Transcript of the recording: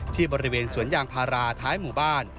ที่บริเวณสวนยางพาราท้ายหมู่บ้าน